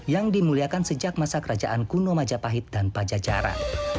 yang dimuliakan sejak masa kerajaan kuno majapahit dan pajajaran